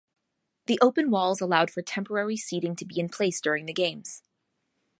The open walls allowed for temporary seating to be in place during the games.